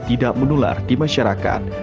tidak menular di masyarakat